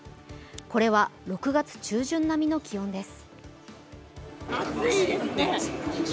これは６月中旬並みの気温です。